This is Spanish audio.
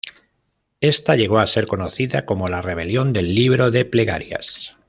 Esta llegó a ser conocida como la Rebelión del Libro de Plegarias.